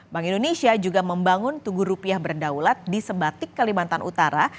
bank indonesia juga membangun tugu rupiah berdaulat di sebatik kalimantan utara